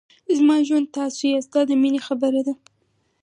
زما ژوند تاسو یاست دا د مینې خبره ده.